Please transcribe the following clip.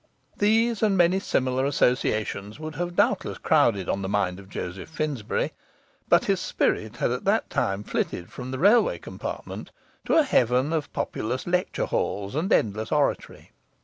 These and many similar associations would have doubtless crowded on the mind of Joseph Finsbury; but his spirit had at that time flitted from the railway compartment to a heaven of populous lecture halls and endless oratory.